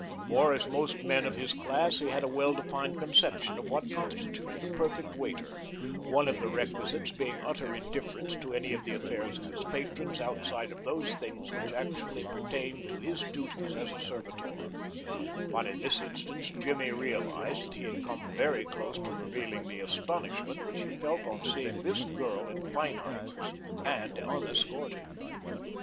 For, as most men of his class, he had a well defined conception of what constituted a perfect waiter, one of the requisites being utter indifference to any of the affairs of his patrons outside of those things which actually pertained to his duties as a servitor; but in this instance Jimmy realized that he had come very close to revealing the astonishment which he felt on seeing this girl in Feinheimer's and unescorted.